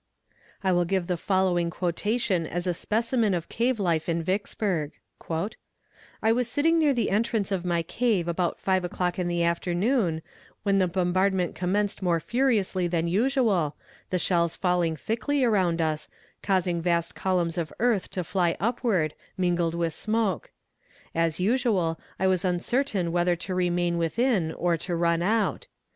I will give the following quotation as a specimen of cave life in Vicksburg: "I was sitting near the entrance of my cave about five o'clock in the afternoon, when the bombardment commenced more furiously than usual, the shells falling thickly around us, causing vast columns of earth to fly upward, mingled with smoke. As usual, I was uncertain whether to remain within, or to run out.